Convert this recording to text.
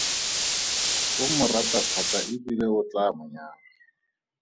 O mo rata thata e bile o tla mo nyala.